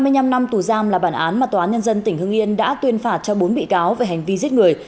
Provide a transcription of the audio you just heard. hai mươi năm năm tù giam là bản án mà tòa án nhân dân tỉnh hưng yên đã tuyên phạt cho bốn bị cáo về hành vi giết người